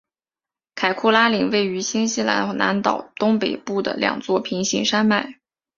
凯库拉岭位于新西兰南岛东北部的两座平行山脉。